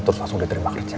terus langsung diterima kerja